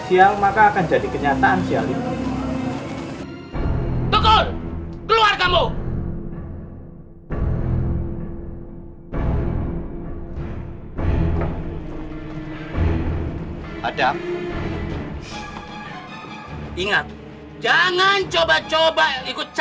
sial maka akan jadi kenyataan sial itu betul keluar kamu ada ingat jangan coba coba ikut